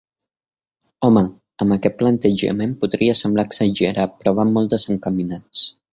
Home, amb aquest plantejament podria semblar exagerat, però van molt desencaminats.